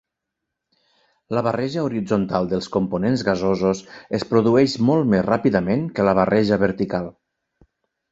La barreja horitzontal dels components gasosos es produeix molt més ràpidament que la barreja vertical.